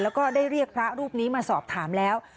แล้วก็ได้เรียกพระรูปนี้มาสอบถามแล้ว